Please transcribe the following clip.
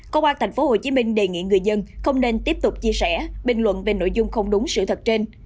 công an tp hcm đề nghị người dân không nên tiếp tục chia sẻ bình luận về nội dung không đúng sự thật trên